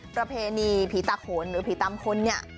ประเพณีผีตาโขนหรือผีตามคนเนี่ย